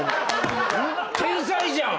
天才じゃん！